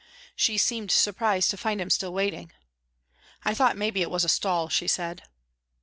She seemed surprised to find him still waiting. "I thought maybe it was a stall," she said.